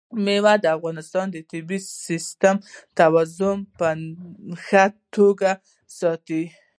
مېوې د افغانستان د طبعي سیسټم توازن په ښه توګه ساتي.